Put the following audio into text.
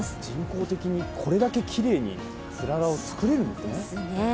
人工的にこれだけきれいに、つららを作れるんですね。